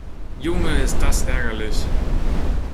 Junge, ist das ärgerlich!